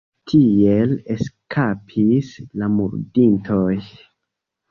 Tiel eskapis la murdintoj.